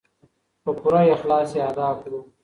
په پوره اخلاص یې ادا کړو.